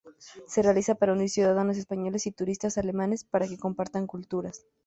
Se realiza para unir ciudadanos españoles y turistas alemanes para que compartan culturas.